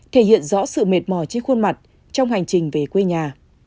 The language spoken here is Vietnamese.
thể hiện rõ sự mệt mỏi trên khuôn mặt trong hành trình về quê nhà